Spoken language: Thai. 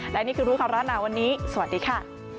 และนี่คือรู้ก่อนร้อนหนาวันนี้สวัสดีค่ะ